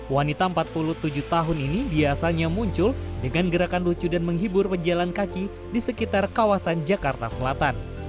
wanita empat puluh tujuh tahun ini biasanya muncul dengan gerakan lucu dan menghibur penjalan kaki di sekitar kawasan jakarta selatan